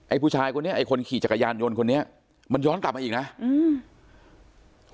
ผู้ชายคนนี้ไอ้คนขี่จักรยานยนต์คนนี้มันย้อนกลับมาอีกนะอืม